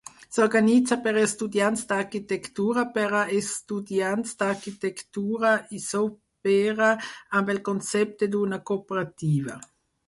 S'organitza per estudiants d'arquitectura per a estudiants d'arquitectura i s'opera amb el concepte d'una cooperativa.